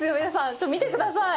ちょっと見てください！